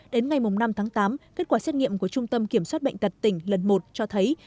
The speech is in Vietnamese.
đến ngày năm tháng tám kết quả xét nghiệm của trung tâm kiểm soát bệnh tật tỉnh lần một cho thấy